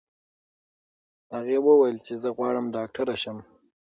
هغې وویل چې زه غواړم ډاکټره شم.